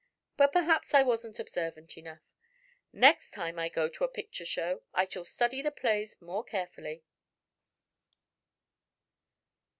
But perhaps I wasn't observant enough. The next time I go to a picture show I shall study the plays more carefully."